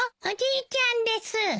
おじいちゃんです。